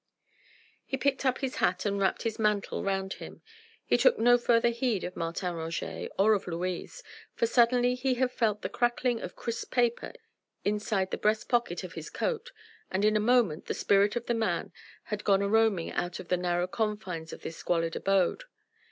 He picked up his hat and wrapped his mantle round him. He took no further heed of Martin Roget or of Louise, for suddenly he had felt the crackling of crisp paper inside the breast pocket of his coat and in a moment the spirit of the man had gone a roaming out of the narrow confines of this squalid abode.